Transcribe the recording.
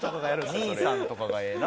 「兄さん」とかがええな。